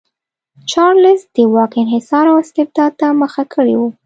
چارلېز د واک انحصار او استبداد ته مخه کړې وه.